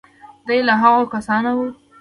دی له هغو کسانو و.